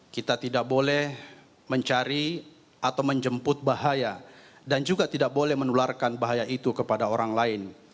kita tidak boleh mencari atau menjemput bahaya dan juga tidak boleh menularkan bahaya itu kepada orang lain